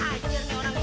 ajir nih orangnya